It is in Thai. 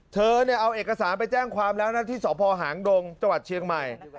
เธอเนี่ยเอาเอกสารไปแจ้งความแล้วนะที่สพหางดงจังหวัดเชียงใหม่